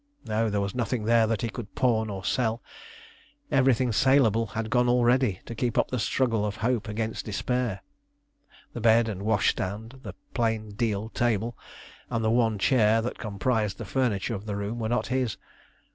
No; there was nothing there that he could pawn or sell. Everything saleable had gone already to keep up the struggle of hope against despair. The bed and wash stand, the plain deal table, and the one chair that comprised the furniture of the room were not his.